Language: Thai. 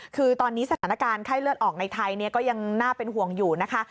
คือตอนนี้สถานการณ์ไข้เลือดออกในไทยก็ยังน่าเป็นห่วงอยู่นะคะ